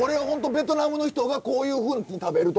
ベトナムの人がこういうふうに食べると？